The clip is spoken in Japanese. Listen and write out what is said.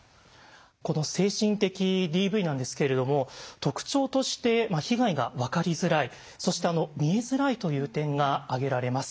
この精神的ＤＶなんですけれども特徴として被害が分かりづらいそして見えづらいという点が挙げられます。